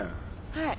はい。